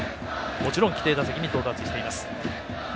もちろん規定打席に到達しています。